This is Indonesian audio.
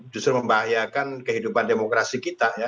justru membahayakan kehidupan demokrasi kita ya